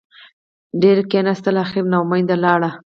ډېره کېناستله اخېر نااوميده لاړه.